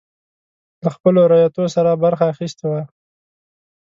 له خپلو رعیتو سره یې برخه اخیستې وای.